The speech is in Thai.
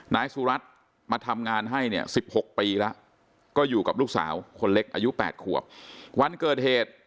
นายสุรัตน์มาทำงานให้เนี่ย๑๖ปีแล้วก็อยู่กับลูกสาวคนเล็กอายุ๘ขวบวันเกิดเหตุ